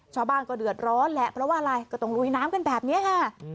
ชาวบ้านก็เดือดร้อนแหละเพราะว่าอะไรก็ต้องลุยน้ำกันแบบนี้ค่ะ